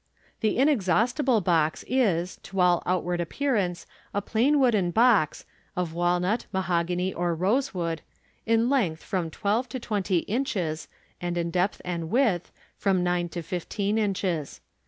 — The inexhaustible box is, to all out ward appearance, a plain wooden box, of walnut, mahogany, or rose wood, in length from twelve to twenty inches, and in depth and width from nine to fifteen inches.